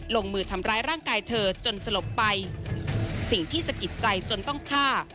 ลงมือทำร้ายร่างกายเธอจนสลบไปสิ่งที่สะกิดใจจนต้องฆ่า